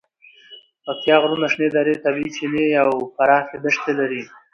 پکتیکا غرونه، شنې درې، طبیعي چینې او پراخې دښتې لري.